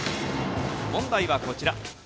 問題はこちら。